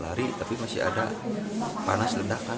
lari tapi masih ada panas ledakan